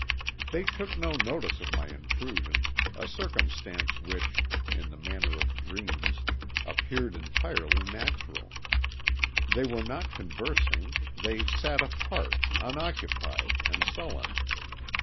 They took no notice of my intrusion, a circumstance which, in the manner of dreams, appeared entirely natural. They were not conversing; they sat apart, unoccupied and sullen.